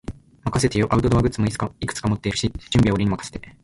任せてよ。アウトドアグッズもいくつか持ってるし、準備は俺に任せて。